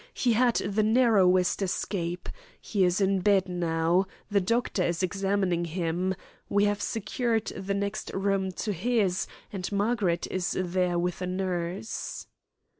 He had the narrowest escape. He is in bed now. The doctor is examining him. We have secured the next room to his, and Margaret is there with a nurse."